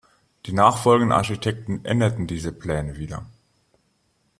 Die nachfolgenden Architekten änderten diese Pläne wieder.